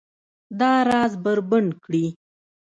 دا راز بربنډ کړي